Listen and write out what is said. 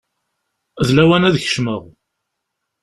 D lawan ad kecmeɣ.